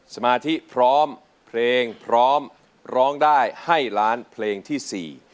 สมาธิพร้อมเพลงพร้อมร้องได้ให้ล้านเพลงที่๔